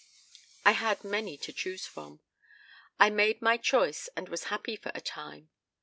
I had many to choose from. I made my choice and was happy for a time.